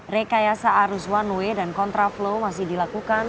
rekayasa arus one way dan contra flow masih dilakukan